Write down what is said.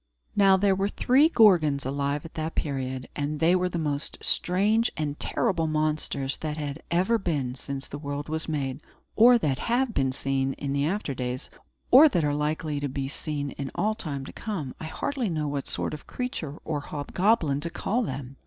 Now, there were three Gorgons alive at that period; and they were the most strange and terrible monsters that had ever been since the world was made, or that have been seen in after days, or that are likely to be seen in all time to come. I hardly know what sort of creature or hobgoblin to call them.